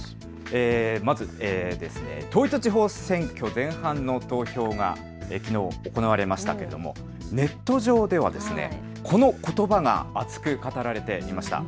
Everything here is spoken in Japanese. まず統一地方選挙、前半の投票がきのう行われましたけれどもネット上ではこのことばが熱く語られていました。